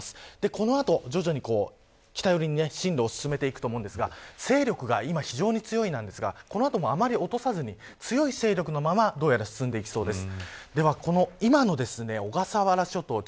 このあと、徐々に北寄りに進路を進めていくと思うんですが勢力が今、非常に強いなんですがこの後落とさずに強い勢力のままどうやら進んできそうです。